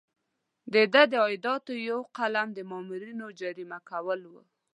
د ده د عایداتو یو قلم د مامورینو جریمه کول وو.